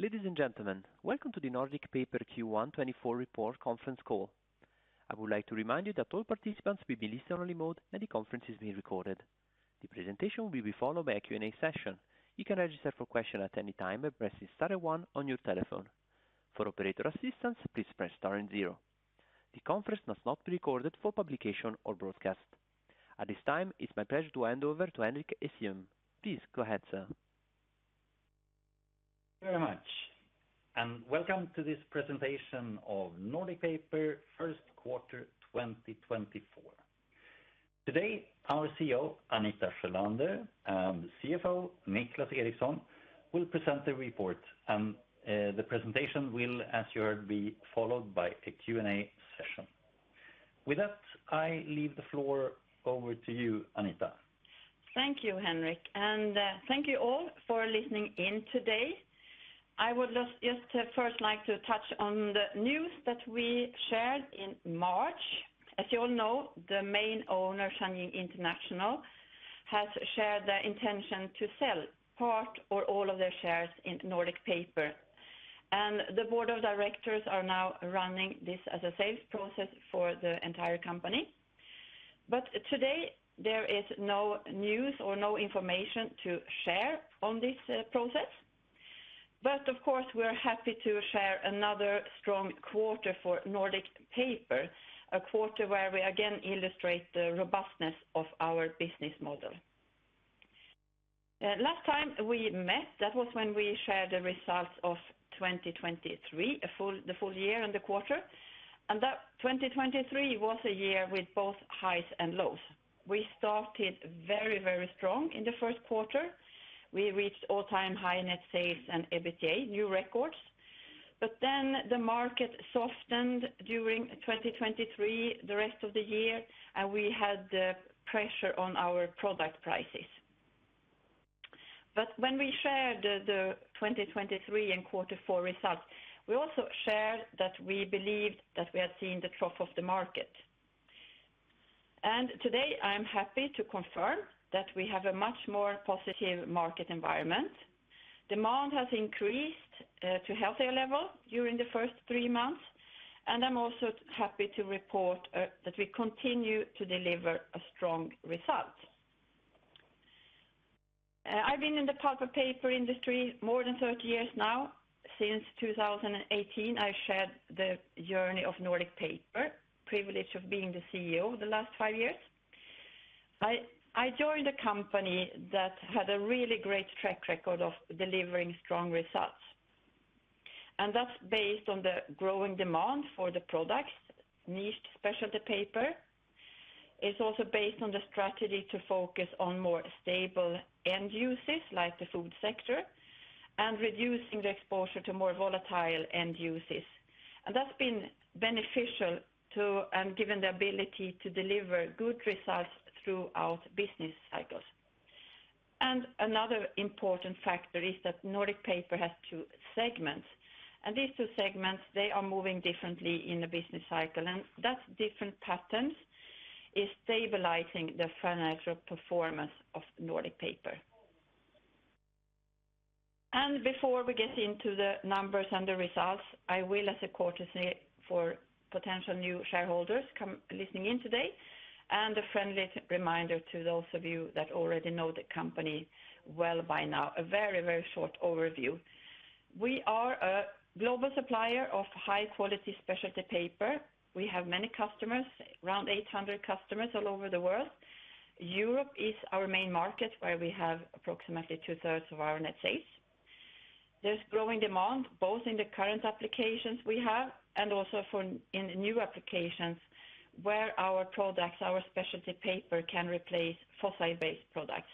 Ladies and gentlemen, welcome to the Nordic Paper Q1 2024 report conference call. I would like to remind you that all participants will be in listen-only mode and the conference is being recorded. The presentation will be followed by a Q&A session. You can register for questions at any time by pressing star one on your telephone. For operator assistance, please press star and zero. The conference must not be recorded for publication or broadcast. At this time, it's my pleasure to hand over to Henrik Essén. Please go ahead, sir. Thank you very much, and welcome to this presentation of Nordic Paper first quarter 2024. Today our CEO Anita Sjölander and CFO Niclas Eriksson will present the report, and the presentation will, as you heard, be followed by a Q&A session. With that, I leave the floor over to you, Anita. Thank you, Henrik, and thank you all for listening in today. I would just first like to touch on the news that we shared in March. As you all know, the main owner, Shanying International, has shared the intention to sell part or all of their shares in Nordic Paper, and the board of directors are now running this as a sales process for the entire company. But today there is no news or no information to share on this process. But of course, we're happy to share another strong quarter for Nordic Paper, a quarter where we again illustrate the robustness of our business model. Last time we met, that was when we shared the results of 2023, the full year and the quarter, and that 2023 was a year with both highs and lows. We started very, very strong in the first quarter. We reached all-time high in net sales and EBITDA, new records. But then the market softened during 2023, the rest of the year, and we had pressure on our product prices. But when we shared the 2023 and quarter four results, we also shared that we believed that we had seen the trough of the market. And today I'm happy to confirm that we have a much more positive market environment. Demand has increased to a healthier level during the first three months, and I'm also happy to report that we continue to deliver a strong result. I've been in the paper industry more than 30 years now. Since 2018, I shared the journey of Nordic Paper, privilege of being the CEO the last five years. I joined a company that had a really great track record of delivering strong results, and that's based on the growing demand for the products, niche specialty paper. It's also based on the strategy to focus on more stable end uses like the food sector and reducing the exposure to more volatile end uses. That's been beneficial and given the ability to deliver good results throughout business cycles. Another important factor is that Nordic Paper has two segments, and these two segments, they are moving differently in the business cycle, and that different patterns is stabilizing the financial performance of Nordic Paper. Before we get into the numbers and the results, I will, as a courtesy for potential new shareholders listening in today, and a friendly reminder to those of you that already know the company well by now, a very, very short overview. We are a global supplier of high-quality specialty paper. We have many customers, around 800 customers all over the world. Europe is our main market where we have approximately two-thirds of our net sales. There's growing demand both in the current applications we have and also in new applications where our products, our specialty paper, can replace fossil-based products.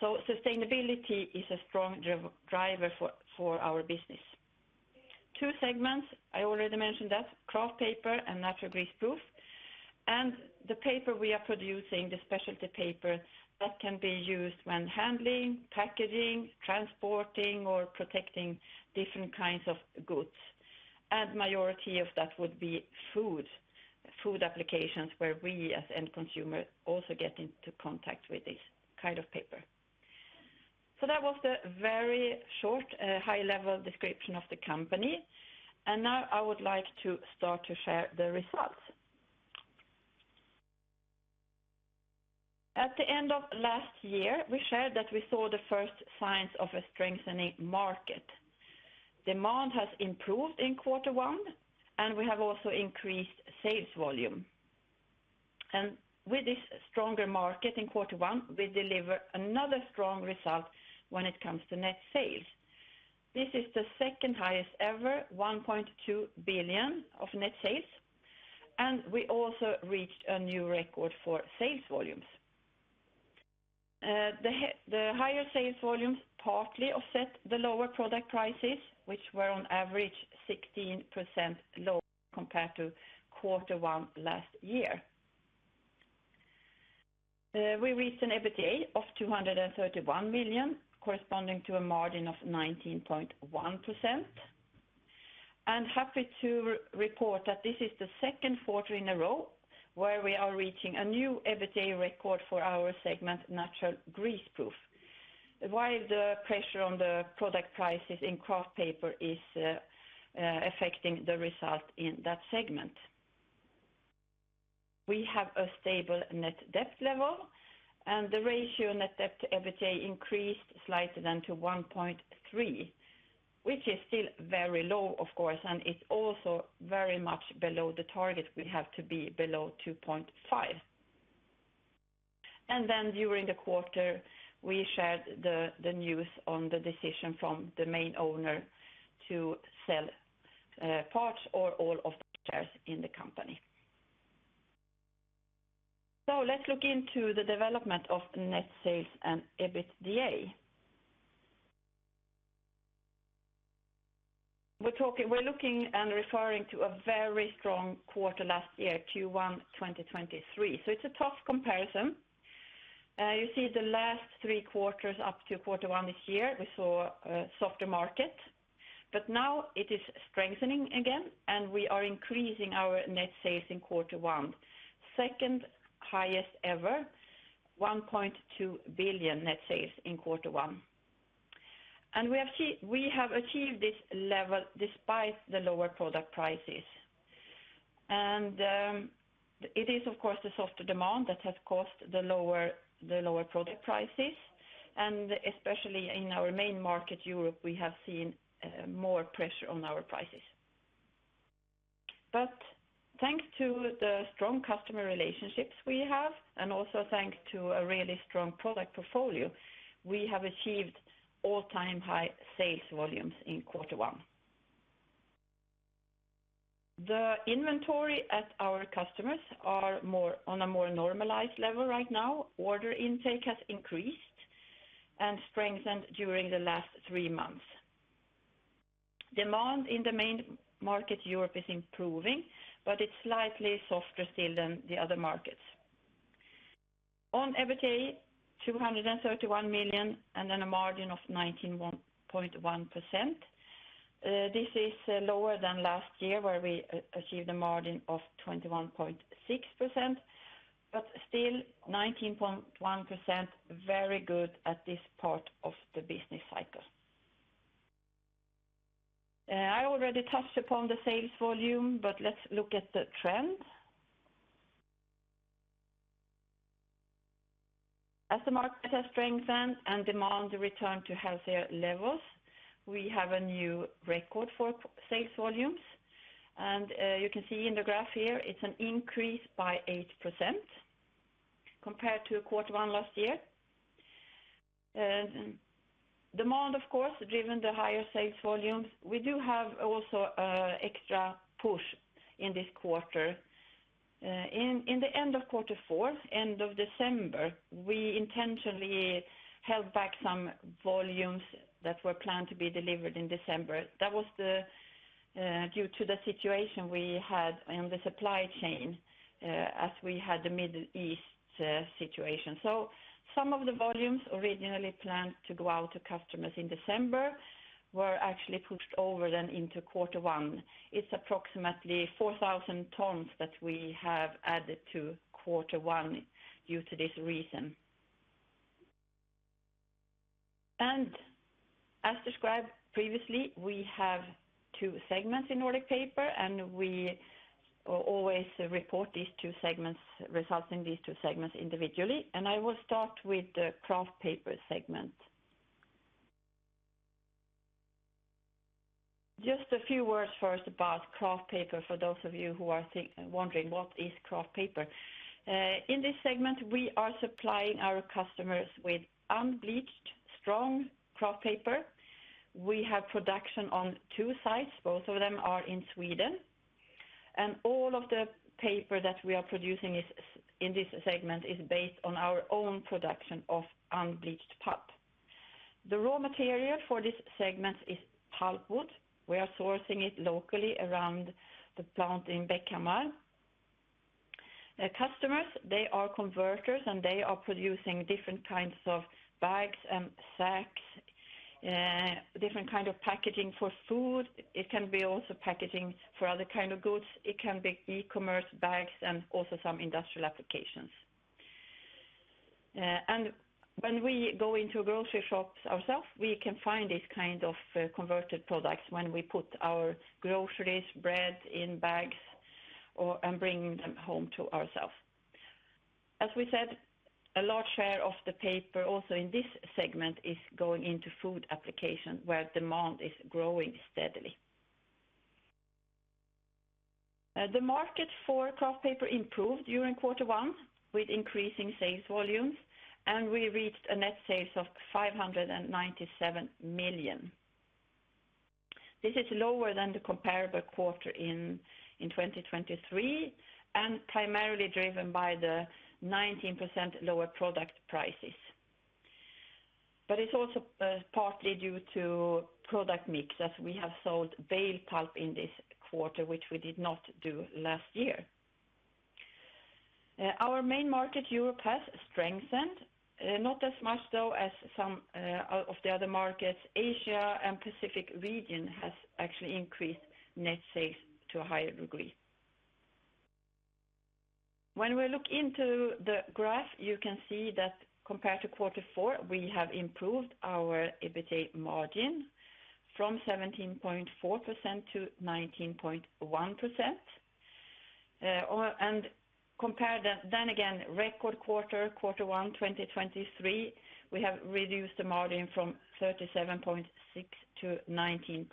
So sustainability is a strong driver for our business. Two segments, I already mentioned that, kraft paper and natural greaseproof, and the paper we are producing, the specialty paper, that can be used when handling, packaging, transporting, or protecting different kinds of goods. And the majority of that would be food applications where we, as end consumers, also get into contact with this kind of paper. So that was the very short, high-level description of the company, and now I would like to start to share the results. At the end of last year, we shared that we saw the first signs of a strengthening market. Demand has improved in quarter one, and we have also increased sales volume. With this stronger market in quarter one, we deliver another strong result when it comes to net sales. This is the second highest ever, 1.2 billion of net sales, and we also reached a new record for sales volumes. The higher sales volumes partly offset the lower product prices, which were on average 16% lower compared to quarter one last year. We reached an EBITDA of 231 million, corresponding to a margin of 19.1%, and happy to report that this is the second quarter in a row where we are reaching a new EBITDA record for our segment, natural greaseproof, while the pressure on the product prices in kraft paper is affecting the result in that segment. We have a stable net debt level, and the ratio net debt to EBITDA increased slightly down to 1.3, which is still very low, of course, and it's also very much below the target. We have to be below 2.5. And then during the quarter, we shared the news on the decision from the main owner to sell parts or all of the shares in the company. So let's look into the development of net sales and EBITDA. We're looking and referring to a very strong quarter last year, Q1 2023. So it's a tough comparison. You see the last three quarters up to quarter one this year, we saw a softer market, but now it is strengthening again, and we are increasing our net sales in quarter one, second highest ever, 1.2 billion net sales in quarter one. And we have achieved this level despite the lower product prices. It is, of course, the softer demand that has caused the lower product prices, and especially in our main market, Europe, we have seen more pressure on our prices. But thanks to the strong customer relationships we have and also thanks to a really strong product portfolio, we have achieved all-time high sales volumes in quarter one. The inventory at our customers is on a more normalized level right now. Order intake has increased and strengthened during the last three months. Demand in the main market, Europe, is improving, but it's slightly softer still than the other markets. On EBITDA, 231 million and then a margin of 19.1%. This is lower than last year where we achieved a margin of 21.6%, but still 19.1%, very good at this part of the business cycle. I already touched upon the sales volume, but let's look at the trend. As the market has strengthened and demand returned to healthier levels, we have a new record for sales volumes, and you can see in the graph here. It's an increase by 8% compared to quarter one last year. Demand, of course, driven the higher sales volumes. We do have also an extra push in this quarter. In the end of quarter four, end of December, we intentionally held back some volumes that were planned to be delivered in December. That was due to the situation we had in the supply chain as we had the Middle East situation. So some of the volumes originally planned to go out to customers in December were actually pushed over then into quarter one. It's approximately 4,000 tons that we have added to quarter one due to this reason. As described previously, we have two segments in Nordic Paper, and we always report these two segments' results in these two segments individually, and I will start with the kraft paper segment. Just a few words first about kraft paper for those of you who are wondering, what is kraft paper? In this segment, we are supplying our customers with unbleached, strong kraft paper. We have production on two sites. Both of them are in Sweden, and all of the paper that we are producing in this segment is based on our own production of unbleached pulp. The raw material for this segment is pulpwood. We are sourcing it locally around the plant in Bäckhammar. Customers, they are converters, and they are producing different kinds of bags and sacks, different kinds of packaging for food. It can be also packaging for other kinds of goods. It can be e-commerce bags and also some industrial applications. And when we go into grocery shops ourselves, we can find these kinds of converted products when we put our groceries, bread in bags, and bring them home to ourselves. As we said, a large share of the paper also in this segment is going into food application where demand is growing steadily. The market for kraft paper improved during quarter one with increasing sales volumes, and we reached a net sales of 597 million. This is lower than the comparable quarter in 2023 and primarily driven by the 19% lower product prices. But it's also partly due to product mix as we have sold baled pulp in this quarter, which we did not do last year. Our main market, Europe, has strengthened, not as much though as some of the other markets. Asia and Pacific region have actually increased net sales to a higher degree. When we look into the graph, you can see that compared to quarter four, we have improved our EBITDA margin from 17.4% to 19.1%. And compared then again, record quarter, quarter one 2023, we have reduced the margin from 37.6% to 19.1%.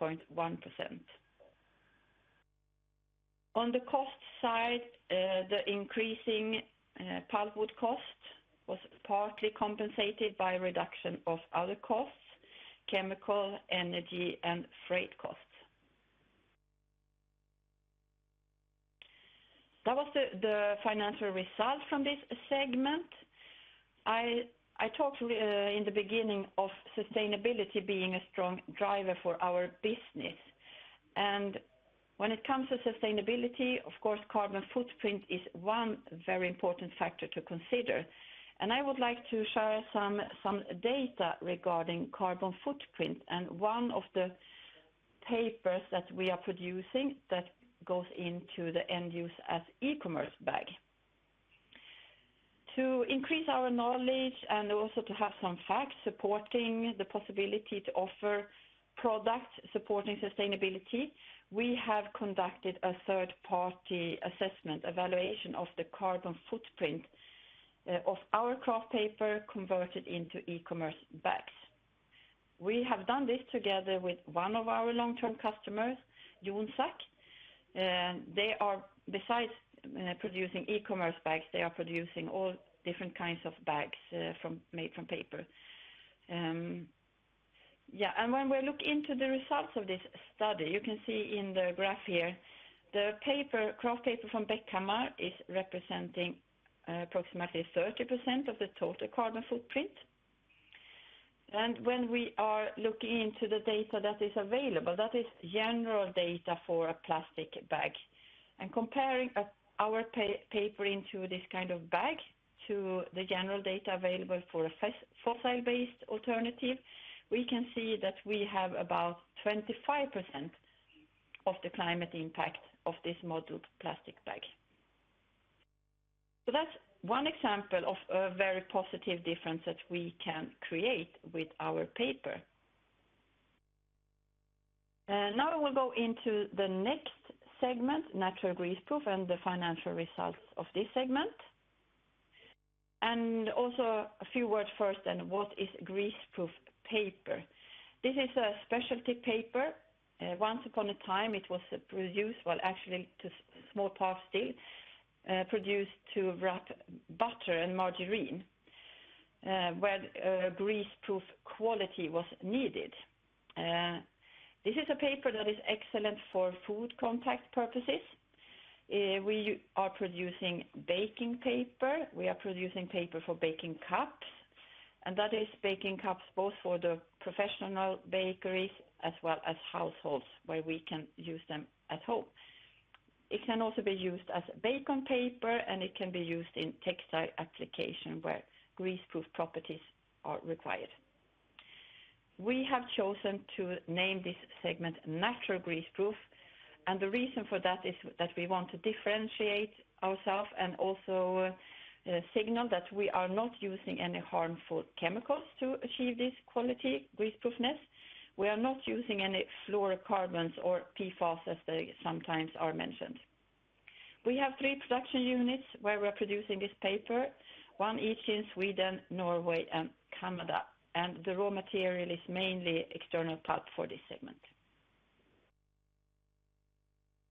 On the cost side, the increasing pulpwood cost was partly compensated by reduction of other costs, chemical, energy, and freight costs. That was the financial result from this segment. I talked in the beginning of sustainability being a strong driver for our business. And when it comes to sustainability, of course, carbon footprint is one very important factor to consider. And I would like to share some data regarding carbon footprint and one of the papers that we are producing that goes into the end use as e-commerce bag. To increase our knowledge and also to have some facts supporting the possibility to offer products supporting sustainability, we have conducted a third-party assessment, evaluation of the carbon footprint of our kraft paper converted into e-commerce bags. We have done this together with one of our long-term customers, Jonsac. Besides producing e-commerce bags, they are producing all different kinds of bags made from paper. Yeah, and when we look into the results of this study, you can see in the graph here, the kraft paper from Bäckhammar is representing approximately 30% of the total carbon footprint. And when we are looking into the data that is available, that is general data for a plastic bag, and comparing our paper into this kind of bag to the general data available for a fossil-based alternative, we can see that we have about 25% of the climate impact of this modeled plastic bag. So that's one example of a very positive difference that we can create with our paper. Now I will go into the next segment, natural greaseproof, and the financial results of this segment. Also a few words first then, what is greaseproof paper? This is a specialty paper. Once upon a time, it was produced, well, actually in small parts still, produced to wrap butter and margarine where greaseproof quality was needed. This is a paper that is excellent for food contact purposes. We are producing baking paper. We are producing paper for baking cups, and that is baking cups both for the professional bakeries as well as households where we can use them at home. It can also be used as bacon paper, and it can be used in textile application where greaseproof properties are required. We have chosen to name this segment natural greaseproof, and the reason for that is that we want to differentiate ourselves and also signal that we are not using any harmful chemicals to achieve this quality, greaseproofness. We are not using any fluorocarbons or PFAS as they sometimes are mentioned. We have three production units where we are producing this paper, one each in Sweden, Norway, and Canada, and the raw material is mainly external pulp for this segment.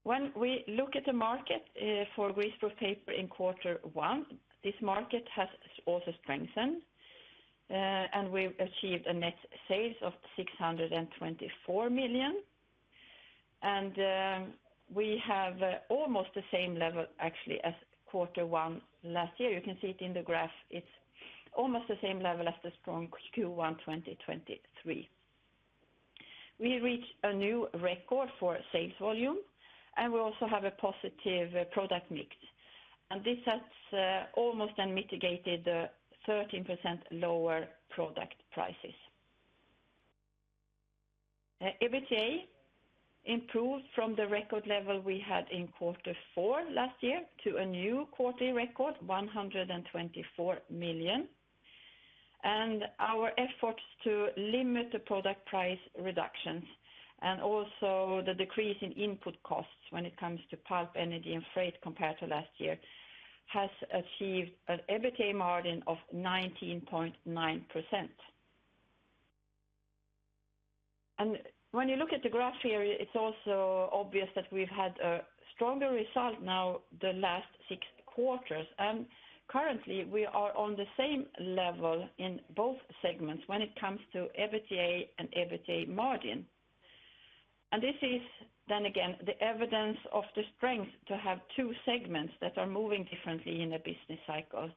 When we look at the market for greaseproof paper in quarter one, this market has also strengthened, and we've achieved net sales of 624 million. We have almost the same level, actually, as quarter one last year. You can see it in the graph. It's almost the same level as the strong Q1 2023. We reached a new record for sales volume, and we also have a positive product mix. This has almost then mitigated the 13% lower product prices. EBITDA improved from the record level we had in quarter four last year to a new quarterly record, 124 million. Our efforts to limit the product price reductions and also the decrease in input costs when it comes to pulp, energy, and freight compared to last year have achieved an EBITDA margin of 19.9%. When you look at the graph here, it's also obvious that we've had a stronger result now the last six quarters, and currently, we are on the same level in both segments when it comes to EBITDA and EBITDA margin. This is then again the evidence of the strength to have two segments that are moving differently in a business cycle.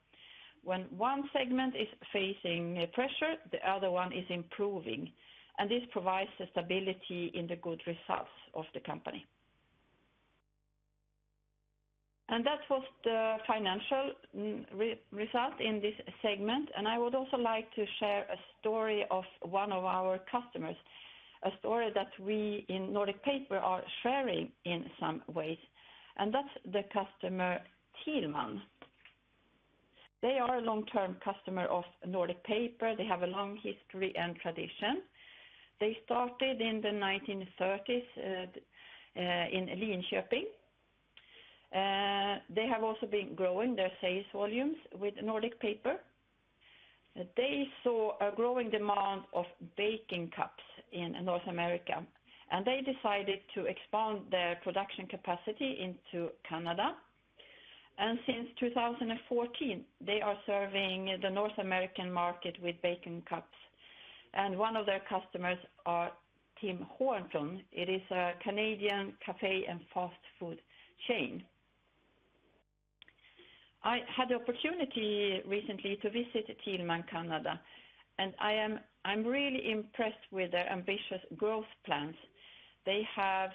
When one segment is facing pressure, the other one is improving, and this provides stability in the good results of the company. That was the financial result in this segment, and I would also like to share a story of one of our customers, a story that we in Nordic Paper are sharing in some ways, and that's the customer Tielman. They are a long-term customer of Nordic Paper. They have a long history and tradition. They started in the 1930s in Linköping. They have also been growing their sales volumes with Nordic Paper. They saw a growing demand of baking cups in North America, and they decided to expand their production capacity into Canada. Since 2014, they are serving the North American market with baking cups, and one of their customers is Tim Hortons. It is a Canadian café and fast food chain. I had the opportunity recently to visit Tielman, Canada, and I'm really impressed with their ambitious growth plans.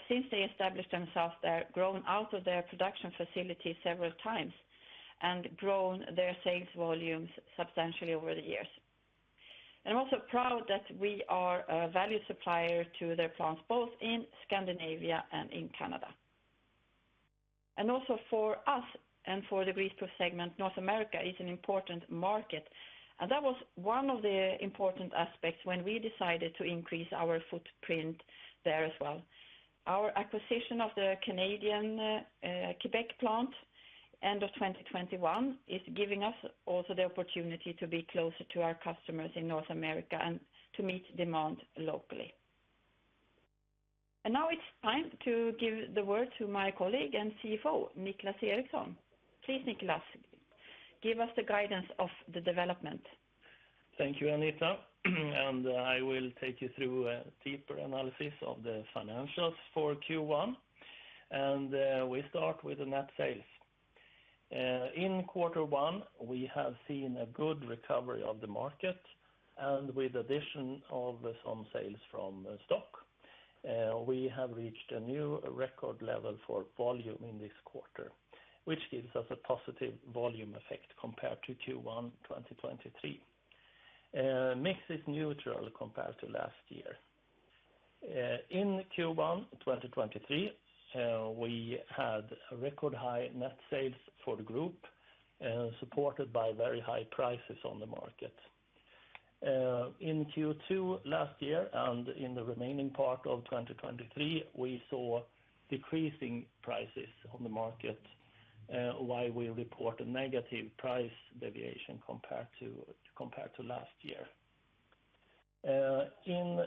Since they established themselves, they have grown out of their production facility several times and grown their sales volumes substantially over the years. I'm also proud that we are a value supplier to their plants both in Scandinavia and in Canada. Also for us and for the greaseproof segment, North America is an important market, and that was one of the important aspects when we decided to increase our footprint there as well. Our acquisition of the Canadian Quebec plant end of 2021 is giving us also the opportunity to be closer to our customers in North America and to meet demand locally. Now it's time to give the word to my colleague and CFO, Niclas Eriksson. Please, Niclas, give us the guidance of the development. Thank you, Anita, and I will take you through a deeper analysis of the financials for Q1, and we start with the net sales. In quarter one, we have seen a good recovery of the market, and with the addition of some sales from stock, we have reached a new record level for volume in this quarter, which gives us a positive volume effect compared to Q1 2023. Mix is neutral compared to last year. In Q1 2023, we had record high net sales for the group supported by very high prices on the market. In Q2 last year and in the remaining part of 2023, we saw decreasing prices on the market, why we report a negative price deviation compared to last year. In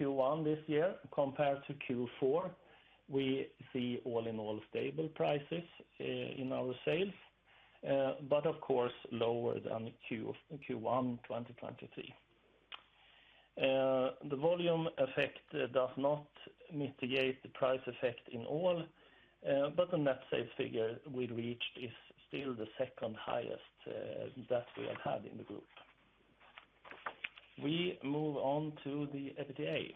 Q1 this year, compared to Q4, we see all in all stable prices in our sales, but of course lower than Q1 2023. The volume effect does not mitigate the price effect in all, but the net sales figure we reached is still the second highest that we have had in the group. We move on to the EBITDA.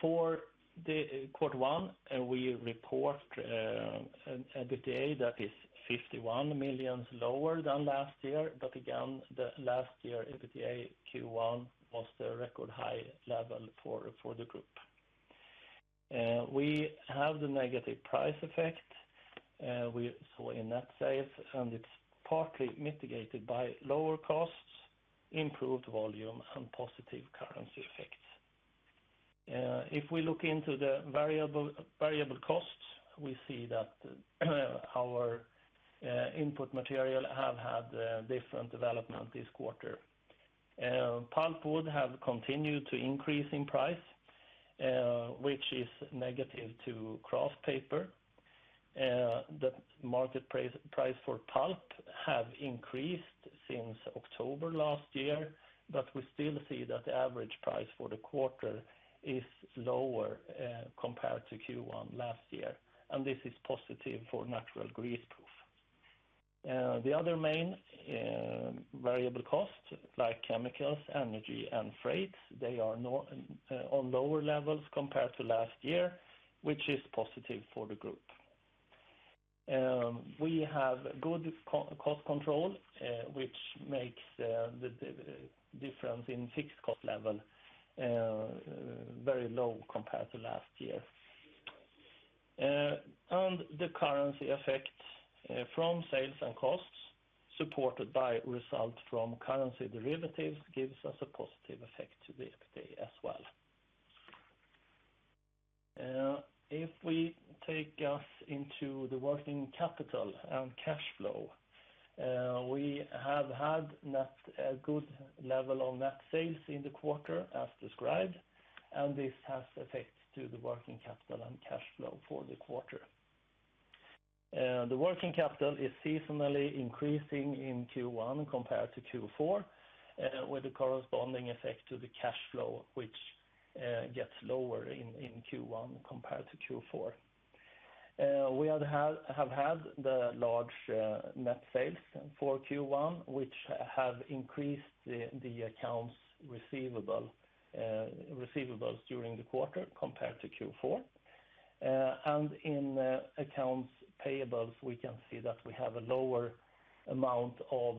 For quarter one, we report an EBITDA that is 51 million lower than last year, but again, last year EBITDA Q1 was the record high level for the group. We have the negative price effect we saw in net sales, and it's partly mitigated by lower costs, improved volume, and positive currency effects. If we look into the variable costs, we see that our input material have had different development this quarter. Pulp would have continued to increase in price, which is negative to kraft paper. The market price for pulp has increased since October last year, but we still see that the average price for the quarter is lower compared to Q1 last year, and this is positive for natural greaseproof. The other main variable costs like chemicals, energy, and freights, they are on lower levels compared to last year, which is positive for the group. We have good cost control, which makes the difference in fixed cost level very low compared to last year. The currency effect from sales and costs supported by results from currency derivatives gives us a positive effect to the EBITDA as well. If we take us into the working capital and cash flow, we have had a good level of net sales in the quarter as described, and this has effects to the working capital and cash flow for the quarter. The working capital is seasonally increasing in Q1 compared to Q4 with a corresponding effect to the cash flow, which gets lower in Q1 compared to Q4. We have had the large net sales for Q1, which have increased the accounts receivables during the quarter compared to Q4. In accounts payables, we can see that we have a lower amount of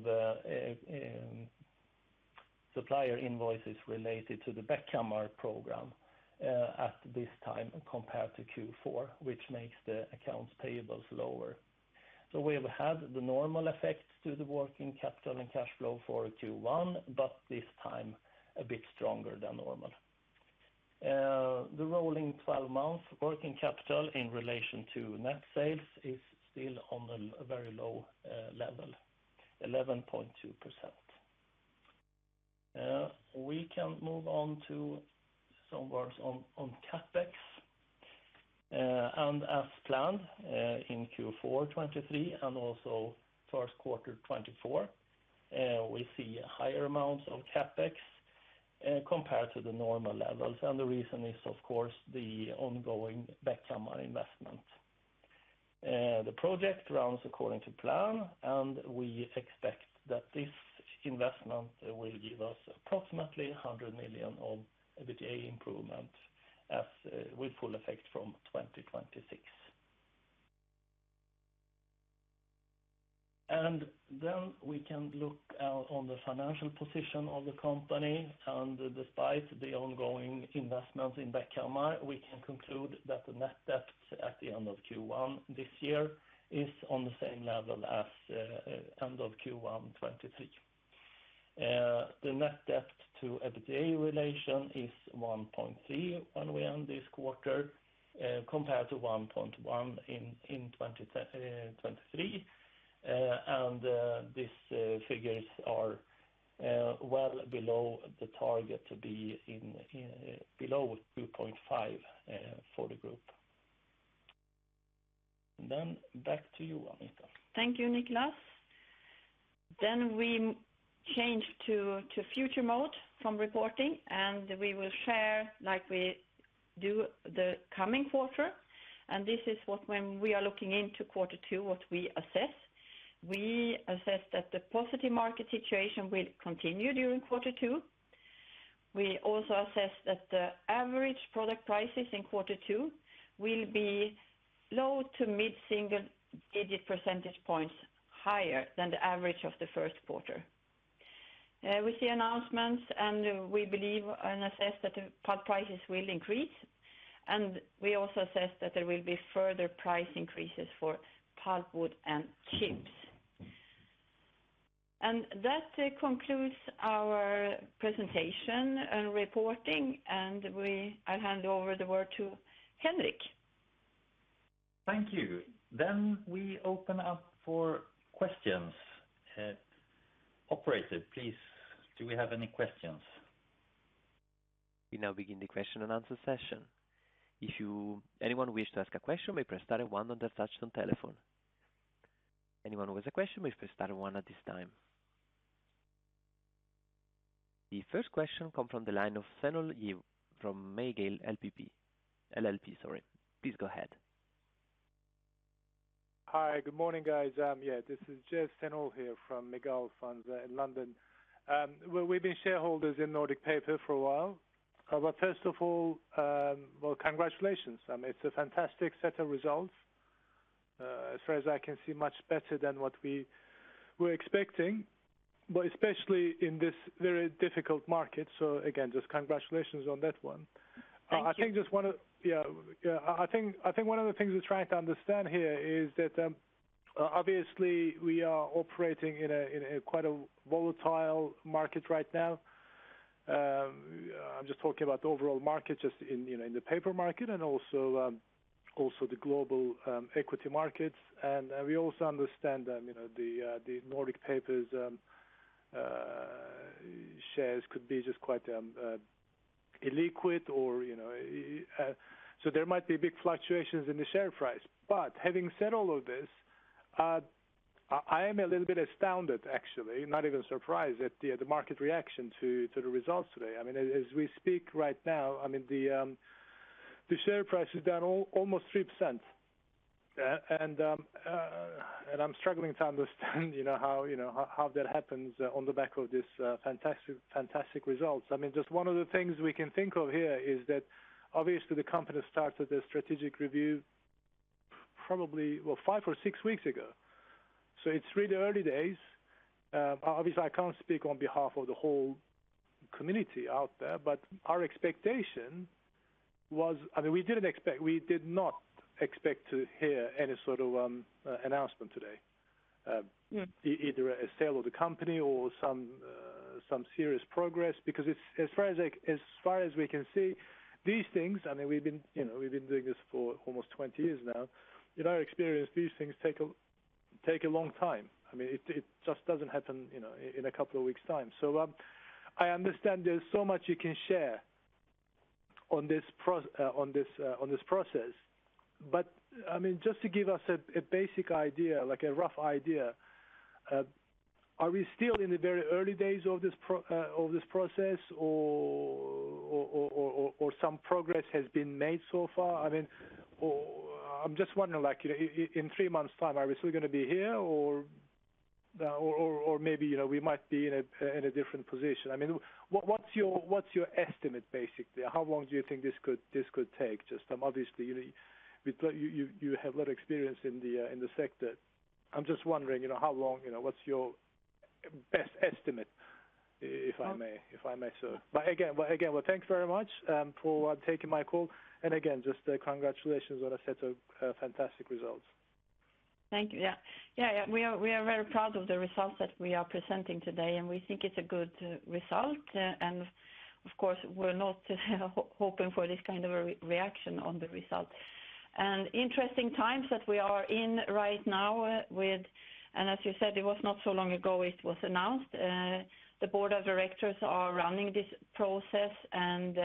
supplier invoices related to the Bäckhammar program at this time compared to Q4, which makes the accounts payables lower. We have had the normal effects to the working capital and cash flow for Q1, but this time a bit stronger than normal. The rolling 12-month working capital in relation to net sales is still on a very low level, 11.2%. We can move on to some words on CapEx. As planned in Q4 2023 and also first quarter 2024, we see higher amounts of CapEx compared to the normal levels, and the reason is, of course, the ongoing Bäckhammar investment. The project runs according to plan, and we expect that this investment will give us approximately 100 million of EBITDA improvement with full effect from 2026. And then we can look on the financial position of the company, and despite the ongoing investments in Bäckhammar, we can conclude that the net debt at the end of Q1 this year is on the same level as end of Q1 2023. The net debt to EBITDA relation is 1.3 when we end this quarter compared to 1.1 in 2023, and these figures are well below the target to be below 2.5 for the group. And then back to you, Anita. Thank you, Niclas. Then we change to future mode from reporting, and we will share like we do the coming quarter. This is what, when we are looking into quarter two, we assess. We assess that the positive market situation will continue during quarter two. We also assess that the average product prices in quarter two will be low- to mid-single-digit percentage points higher than the average of the first quarter. We see announcements, and we believe and assess that the pulp prices will increase, and we also assess that there will be further price increases for pulp, wood, and chips. That concludes our presentation and reporting, and I'll hand over the word to Henrik. Thank you. Then we open up for questions. Operator, please, do we have any questions? We now begin the question and answer session. If anyone wishes to ask a question, may press star one on their touchscreen telephone. Anyone who has a question, may press star one at this time. The first question comes from the line of Jev Senol from Mygale LLP, sorry. Please go ahead. Hi, good morning, guys. Yeah, this is Jev Senol here from Mygale Funds in London. We've been shareholders in Nordic Paper for a while, but first of all, well, congratulations. It's a fantastic set of results. As far as I can see, much better than what we were expecting, but especially in this very difficult market. So again, just congratulations on that one. I think one of the things we're trying to understand here is that obviously, we are operating in quite a volatile market right now. I'm just talking about the overall market just in the paper market and also the global equity markets, and we also understand the Nordic Paper's shares could be just quite illiquid or so there might be big fluctuations in the share price. But having said all of this, I am a little bit astounded, actually, not even surprised at the market reaction to the results today. I mean, as we speak right now, I mean, the share price is down almost 3%, and I'm struggling to understand how that happens on the back of these fantastic results. I mean, just one of the things we can think of here is that obviously, the company started their strategic review probably, well, five or six weeks ago. So it's really early days. Obviously, I can't speak on behalf of the whole community out there, but our expectation was I mean, we didn't expect we did not expect to hear any sort of announcement today, either a sale of the company or some serious progress. Because as far as we can see, these things I mean, we've been doing this for almost 20 years now. In our experience, these things take a long time. I mean, it just doesn't happen in a couple of weeks' time. So I understand there's so much you can share on this process, but I mean, just to give us a basic idea, like a rough idea, are we still in the very early days of this process or some progress has been made so far? I mean, I'm just wondering, in three months' time, are we still going to be here or maybe we might be in a different position? I mean, what's your estimate, basically? How long do you think this could take? Just obviously, you have a lot of experience in the sector. I'm just wondering, how long? What's your best estimate, if I may, sir? But again, well, thanks very much for taking my call. And again, just congratulations on a set of fantastic results. Thank you. Yeah. Yeah, yeah. We are very proud of the results that we are presenting today, and we think it's a good result. Of course, we're not hoping for this kind of a reaction on the result. Interesting times that we are in right now with and as you said, it was not so long ago it was announced. The board of directors are running this process, and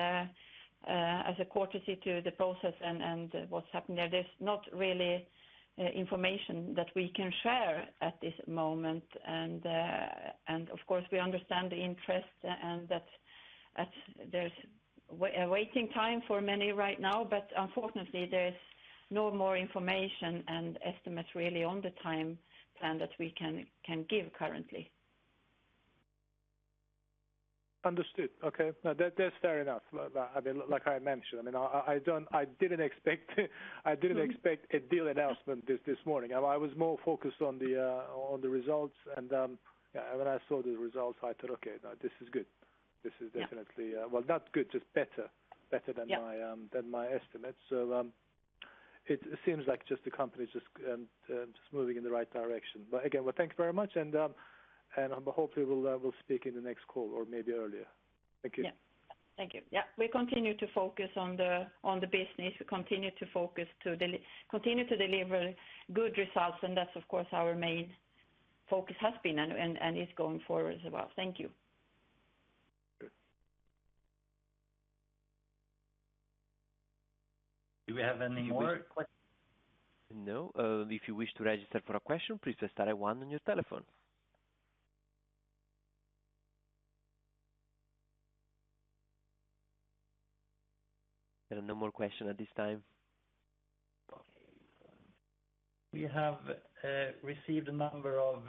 as a courtesy to the process and what's happening there, there's not really information that we can share at this moment. Of course, we understand the interest and that there's a waiting time for many right now, but unfortunately, there's no more information and estimates really on the time plan that we can give currently. Understood. Okay. No, that's fair enough. I mean, like I mentioned, I mean, I didn't expect a deal announcement this morning. I was more focused on the results, and when I saw the results, I thought, "Okay, no, this is good. This is definitely," well, not good, just better than my estimate. So it seems like just the company's just moving in the right direction. But again, well, thanks very much, and hopefully, we'll speak in the next call or maybe earlier. Thank you. Yeah. Thank you. Yeah. We continue to focus on the business. We continue to focus to continue to deliver good results, and that's, of course, our main focus has been and is going forward as well. Thank you. Do we have any more questions? No. If you wish to register for a question, please press star one on your telephone. There are no more questions at this time. We have received a number of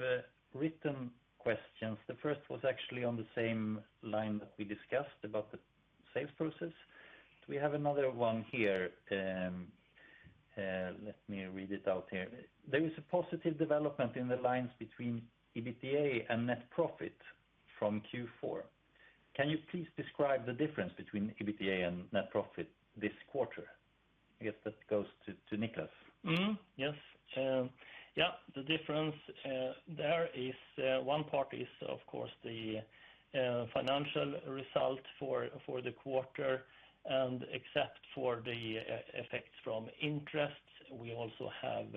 written questions. The first was actually on the same line that we discussed about the sales process. Do we have another one here? Let me read it out here. There is a positive development in the lines between EBITDA and net profit from Q4. Can you please describe the difference between EBITDA and net profit this quarter? I guess that goes to Niclas. Yes. Yeah. The difference there is one part is, of course, the financial result for the quarter. And except for the effects from interest, we also have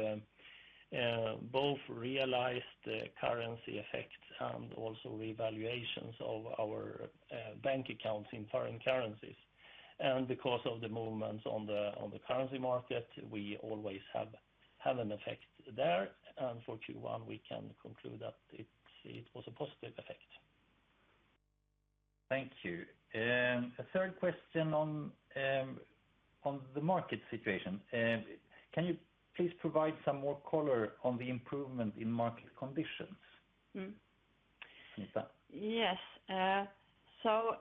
both realized currency effects and also revaluations of our bank accounts in foreign currencies. And because of the movements on the currency market, we always have an effect there. And for Q1, we can conclude that it was a positive effect. Thank you. A third question on the market situation. Can you please provide some more color on the improvement in market conditions, Anita? Yes. So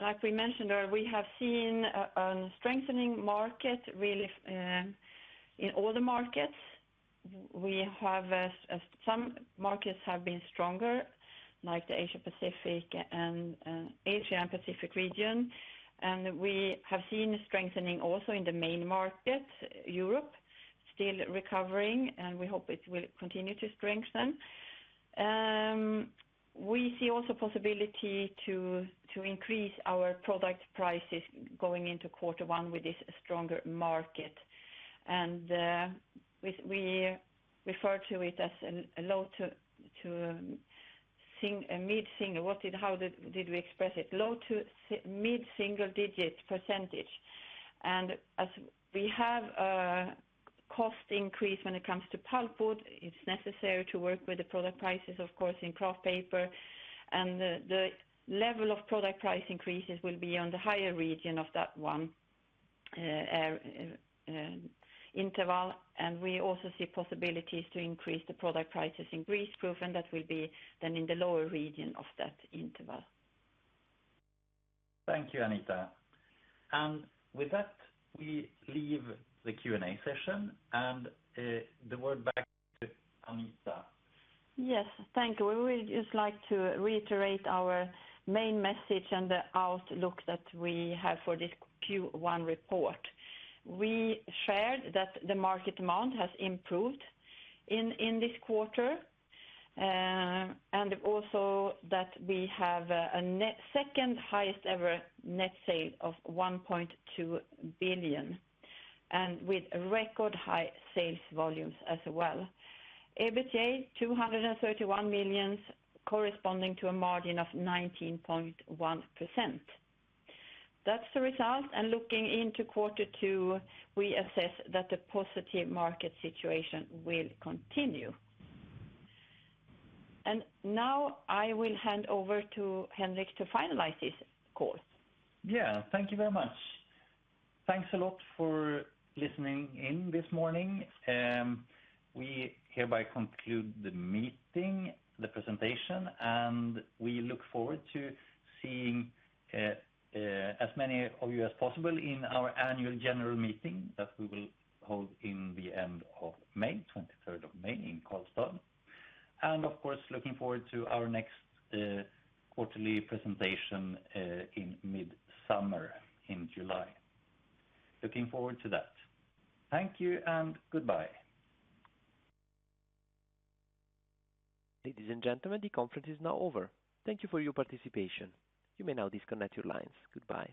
like we mentioned earlier, we have seen a strengthening market really in all the markets. Some markets have been stronger, like the Asia-Pacific and Asia and Pacific region. And we have seen strengthening also in the main market, Europe, still recovering, and we hope it will continue to strengthen. We see also possibility to increase our product prices going into quarter one with this stronger market. And we refer to it as a low to mid-single how did we express it? Low to mid-single digit percentage. And as we have a cost increase when it comes to pulpwood, it's necessary to work with the product prices, of course, in kraft paper. The level of product price increases will be on the higher region of that one interval, and we also see possibilities to increase the product prices in greaseproof, and that will be then in the lower region of that interval. Thank you, Anita. With that, we leave the Q&A session, and the word back to Anita. Yes. Thank you. We would just like to reiterate our main message and the outlook that we have for this Q1 report. We shared that the market amount has improved in this quarter and also that we have a second highest-ever net sale of 1.2 billion and with record-high sales volumes as well, EBITDA 231 million corresponding to a margin of 19.1%. That's the result, and looking into quarter two, we assess that the positive market situation will continue. Now I will hand over to Henrik to finalize this call. Yeah. Thank you very much. Thanks a lot for listening in this morning. We hereby conclude the meeting, the presentation, and we look forward to seeing as many of you as possible in our annual general meeting that we will hold in the end of May, 23rd of May, in Karlstad. And of course, looking forward to our next quarterly presentation in midsummer in July. Looking forward to that. Thank you and goodbye. Ladies and gentlemen, the conference is now over. Thank you for your participation. You may now disconnect your lines. Goodbye.